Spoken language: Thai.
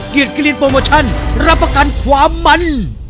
เกลียดเกลียดโปรโมชั่นรับประกันความมัน